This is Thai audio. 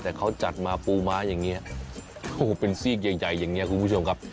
แต่เขาจัดมาปูม้าอย่างนี้โอ้โหเป็นซีกใหญ่อย่างนี้คุณผู้ชมครับ